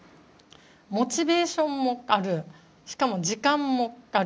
モチベーションもあるしかも時間もある。